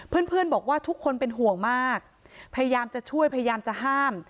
เพื่อนบอกว่าทุกคนเป็นห่วงมากพยายามจะช่วยพยายามจะห้าม